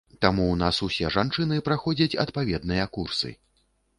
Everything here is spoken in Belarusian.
Таму ў нас усе жанчыны праходзяць адпаведныя курсы.